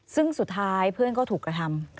ซึ่งสุดท้ายเพื่อนก็ถูกกระทำ